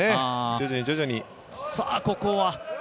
徐々に、徐々に。